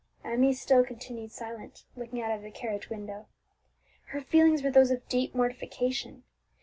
Emmie still continued silent, looking out of the carriage window. Her feelings were those of deep mortification.